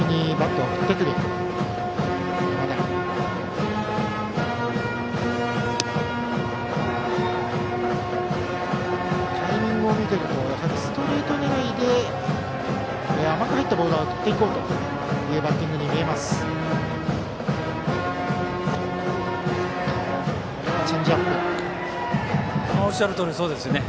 タイミングを見ているとストレート狙いで甘く入ってきたボールは振っていこうというおっしゃるとおりですね。